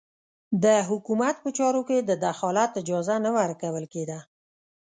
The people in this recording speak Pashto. د حکومت په چارو کې د دخالت اجازه نه ورکول کېده.